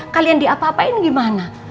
kalian diapa apain gimana